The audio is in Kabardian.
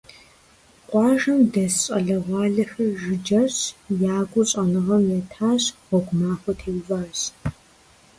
Къуажэм дэс щӀалэгъуалэхэр жыджэрщ, я гур щӀэныгъэм етащ, гъуэгу махуэ теуващ.